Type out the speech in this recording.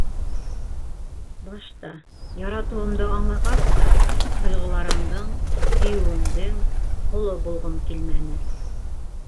Башта, яратыуымды аңлағас та... тойғоларымдың, һөйөүемдең ҡоло булғым килмәне.